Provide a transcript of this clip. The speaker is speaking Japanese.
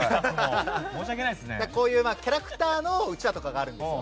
こういうキャラクターのうちわとかがあるんですが。